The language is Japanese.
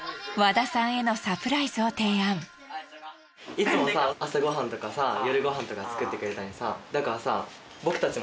いつもさ朝ご飯とかさ夜ご飯とか作ってくれたりさだからさ。